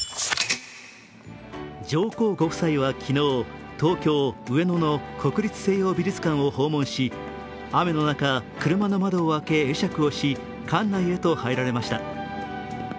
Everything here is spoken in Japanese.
上皇ご夫妻は昨日、東京・上野の国立西洋美術館を訪問し、雨の中、車の窓を開け会釈をし、館内へと入られました。